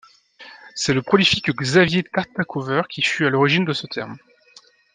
C'est le prolifique Xavier Tartacover qui fut à l'origine de ce terme.